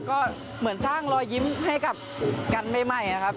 ก็เหมือนสร้างรอยยิ้มให้กับกันใหม่นะครับ